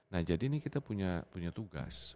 nah jadi ini kita punya tugas